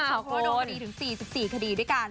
เพราะว่าโดนคดีถึง๔๔คดีด้วยกัน